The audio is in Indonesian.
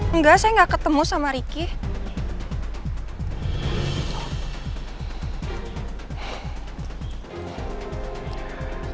enggak saya gak ketemu sama ricky